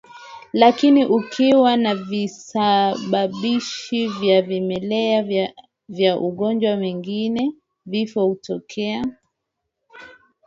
Lakini kukiwa na visababishi vya vimelea vya magonjwa mengine vifo hutokea